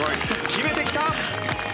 決めてきた！